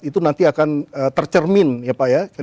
itu nanti akan tercermin ya pak ya